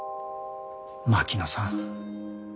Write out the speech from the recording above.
槙野さん。